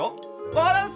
バランス！